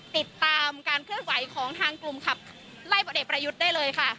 ติดตามการเคลื่อนไหวของทางกลุ่มขับไล่พลเอกประยุทธ์ได้เลยค่ะ